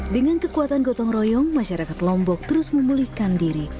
dengan kekuatan gotong royong masyarakat lombok terus memulihkan diri